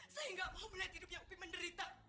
saya gak mau melihat hidupnya opik menderita